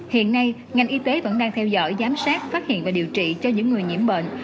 hiện nay ngành y tế vẫn đang theo dõi giám sát phát hiện và điều trị cho những người nhiễm bệnh